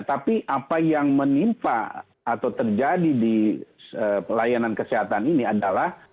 tapi apa yang menimpa atau terjadi di pelayanan kesehatan ini adalah